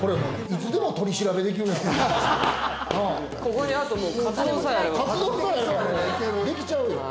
いつでも取り調べできるやん。